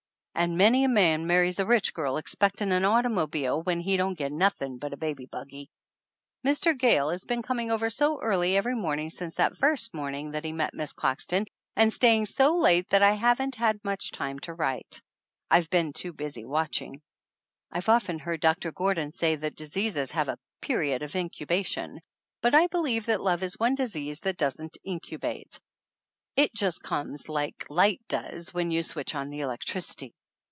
An' many a man marries a THE ANNALS OF ANN rich girl expectin' a automobile when he don't git nothin' but a baby buggy !" Mr. Gayle has been coming over so early every morning since that first morning that he met Miss Claxton, and staying so late that I haven't had much time to write. I've been too busy watching. I've often heard Doctor Gor don say that diseases have a "period of incuba tion," but I believe that love is one disease that doesn't incubate. It just comes, like light does when you switch on the electricity.